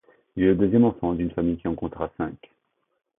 Il est le deuxième enfant d’une famille qui en comptera cinq.